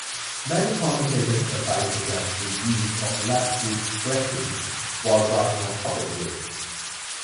Many commentators advise against the use of left-foot braking while driving on public roads.